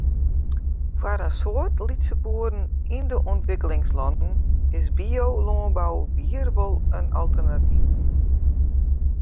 Foar in soad lytse boeren yn de ûntwikkelingslannen is biolânbou wier wol in alternatyf.